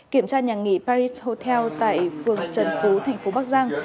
kiểm tra nhà nghỉ paris hotel tại phường trần phú thành phố bắc giang